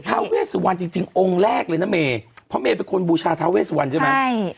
เวสุวรรณจริงจริงองค์แรกเลยนะเมเพราะเมย์เป็นคนบูชาทาเวสวันใช่ไหมใช่